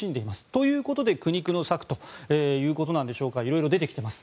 ということで苦肉の策ということなんでしょうか色々出てきています。